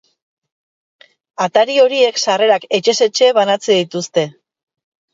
Atari horiek sarrerak etxez etxe banatzen dituzte.